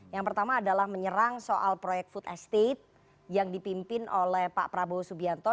yang pertama adalah menyerang soal proyek food estate yang dipimpin oleh pak prabowo subianto